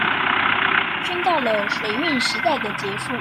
宣告了水運時代的結束